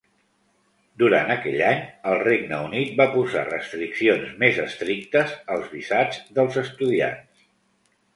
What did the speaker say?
Durant aquell any, El Regne Unit va posar restriccions més estrictes als visats dels estudiants.